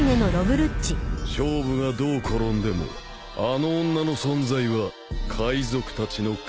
勝負がどう転んでもあの女の存在は海賊たちの鍵になる。